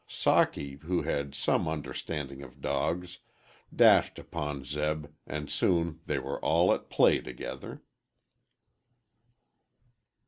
Socky, who had some understanding of dogs, dashed upon Zeb, and soon they were all at play together.